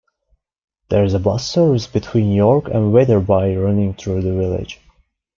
There is a bus service between York and Wetherby running through village.